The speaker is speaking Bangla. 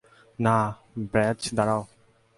না, ব্র্যায, দাঁড়াও!